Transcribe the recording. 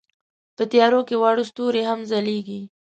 په تیارو کې واړه ستوري هم ځلېږي.